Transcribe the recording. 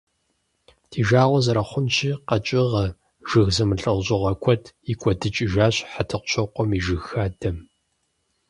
Ди жагъуэ зэрыхъунщи, къэкӀыгъэ, жыг зэмылӀэужьыгъуэ куэд икӀуэдыкӀыжащ ХьэтӀохъущокъуэм и жыг хадэм.